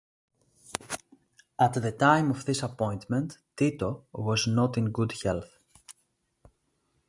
At the time of his appointment Tito was not in good health.